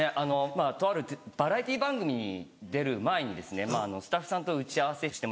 まぁとあるバラエティー番組に出る前にスタッフさんと打ち合わせして。